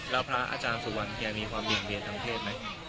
แล้วพระอาจารย์สุวรรณเกี่ยวมีความเรียนเรียนทั้งเพศไหม